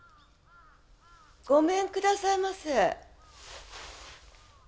ごめんくださいませ。